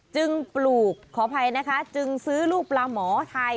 ปลูกขออภัยนะคะจึงซื้อลูกปลาหมอไทย